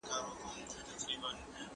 کلسیم د هډوکو د ځواک لپاره اړین دی.